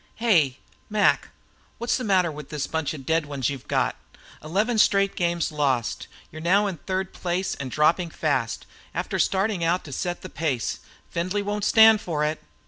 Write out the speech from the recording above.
"Hey, Mac, what's the matter with this bunch of dead ones you've got? Eleven straight games lost! You're now in third place, and dropping fast, after starting out to set the pace. Findlay won't stand for it."